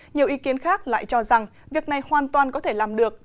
nhiều ý kiến khác lại cho rằng việc này hoàn toàn có thể làm được